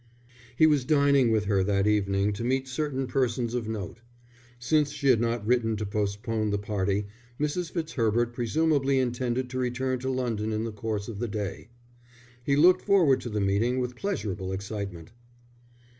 He was dining with her that evening to meet certain persons of note. Since she had not written to postpone the party, Mrs. Fitzherbert presumably intended to return to London in the course of the day. He looked forward to the meeting with pleasurable excitement.